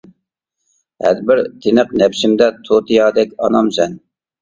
ھەربىر تىنىق، نەپسىمدە تۇتىيادەك ئانام سەن.